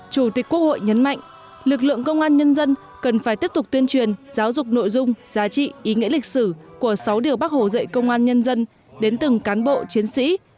chủ tịch quốc hội nhấn mạnh lực lượng công an nhân dân cần phải tiếp tục tuyên truyền giáo dục nội dung giá trị ý nghĩa lịch sử của sáu điều bác hồ dạy công an nhân dân đến từng cán bộ chiến sĩ